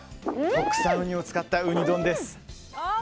特産ウニを使ったウニ丼です。